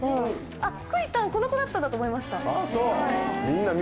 あっくりたんこのコだったんだと思いました。